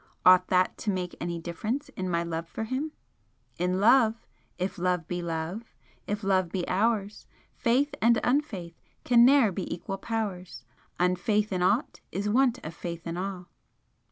Ought that to make any difference in my love for him? "In love, if love be love, if love be ours, Faith and unfaith can ne'er be equal powers, Unfaith in aught is want of faith in all."